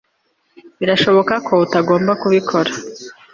birashoboka ko utagomba kubikora